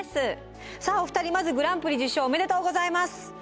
さあお二人まずグランプリ受賞おめでとうございます。